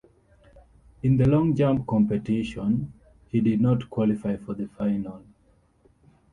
In the long jump competition, he did not qualify for the final.